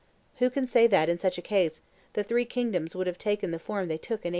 Who can say that, in such a case, the three kingdoms would have taken the form they took in 843?